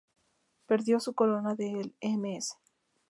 Perdió su corona del Ms.